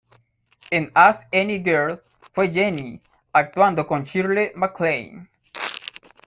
En "Ask Any Girl" fue Jeannie, actuando con Shirley MacLaine.